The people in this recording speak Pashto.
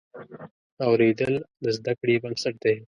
اورېدل د زده کړې بنسټ دی.